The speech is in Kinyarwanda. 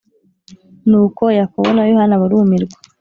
Nuko Yakobo na Yohana barumirwa